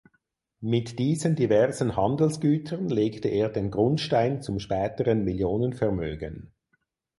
Mit diesen diversen Handelsgütern legte er den Grundstein zum späteren Millionenvermögen.